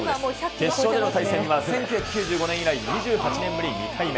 決勝での対戦は１９９５年以来２８年ぶり２回目。